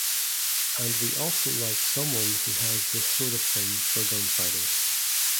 And we also liked someone who has this sort of thing for gunfighters.